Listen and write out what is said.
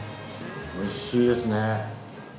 おいしいですね。